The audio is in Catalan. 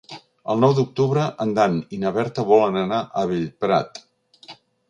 El nou d'octubre en Dan i na Berta volen anar a Bellprat.